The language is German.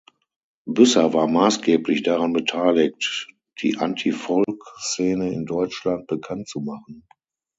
Büsser war maßgeblich daran beteiligt, die Antifolk-Szene in Deutschland bekannt zu machen.